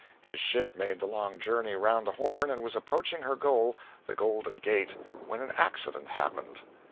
His ship made the long journey around the Horn and was approaching her goal, the Golden Gate, when an accident happened.